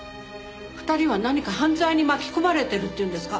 ２人は何か犯罪に巻き込まれてるっていうんですか？